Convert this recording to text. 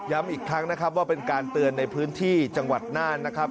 อีกครั้งนะครับว่าเป็นการเตือนในพื้นที่จังหวัดน่านนะครับ